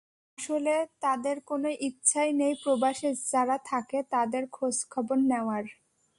আসলে তাদের কোনো ইচ্ছাই নেই প্রবাসে যারা থাকে তাদের খোঁজ খবর নেওয়ার।